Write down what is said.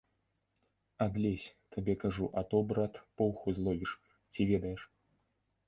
Адлезь, табе кажу, а то, брат, поўху зловіш, ці ведаеш!